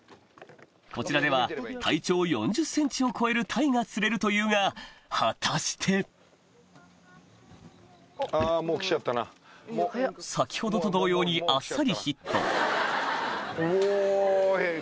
こちらでは体長４０ｃｍを超える鯛が釣れるというが果たして先ほどと同様にあっさりヒットへぇ。